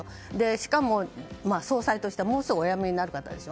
しかも、総裁としてもうすぐお辞めになる方でしょ。